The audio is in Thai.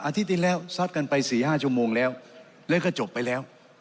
ที่แล้วซัดกันไป๔๕ชั่วโมงแล้วแล้วก็จบไปแล้ว